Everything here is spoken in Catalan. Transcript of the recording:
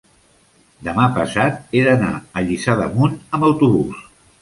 demà passat he d'anar a Lliçà d'Amunt amb autobús.